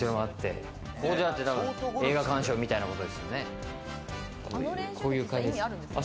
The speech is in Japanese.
ここで映画鑑賞みたいなことですよね。